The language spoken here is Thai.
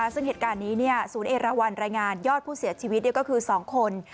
ซึ่งเหตุการณ์นี้ศูนย์เอราวันรายงานยอดผู้เสียชีวิตก็คือ๒คน